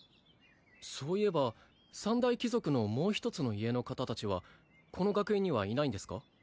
そういえば三大貴族のもう一つの家の方達はこの学園にはいないんですか？